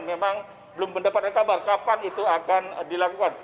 memang belum mendapatkan kabar kapan itu akan dilakukan